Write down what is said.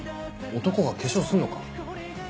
男が化粧すんのか？